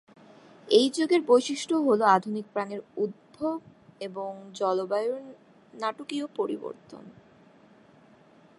এই যুগের বৈশিষ্ট্য হল আধুনিক প্রাণীর উদ্ভব এবং জলবায়ুর নাটকীয় পরিবর্তন।